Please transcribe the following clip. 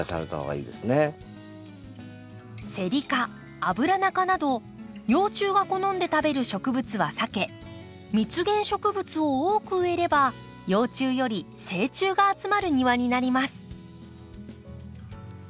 セリ科アブラナ科など幼虫が好んで食べる植物は避け蜜源植物を多く植えれば幼虫より成虫が集まる庭になります。